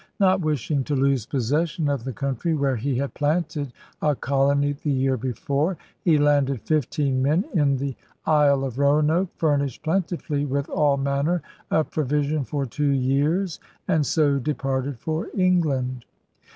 Not wishing to lose possession of the country where he had planted a' colony the year before, he 'landed fifteene men in: the Isle of Roanoak, furnished plentifully with aUi maner of provision for two yeeres, and so de parted for England.'